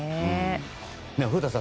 古田さん